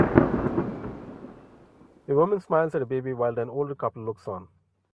A woman smiles at a baby while an older couple looks on.